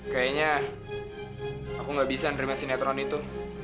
kayaknya aku nggak bisa nerima sinetron itu